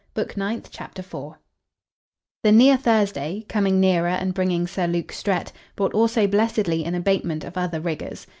Book Ninth, Chapter 4 The near Thursday, coming nearer and bringing Sir Luke Strett, brought also blessedly an abatement of other rigours.